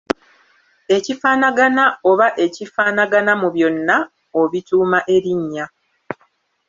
Ekifaanagana oba ebifaanagana mu byonna obituuma erinnya.